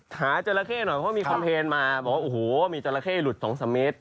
หาเจรเทศหน่อยเพราะว่ามีคอมเพลนมาบอกว่ามีเจรเทศหลุด๒๓มิตร